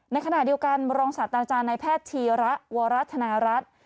ในขณะเดียวกันรองศาสตราจารย์ในแพทย์ธีระวรัฐนารัฐ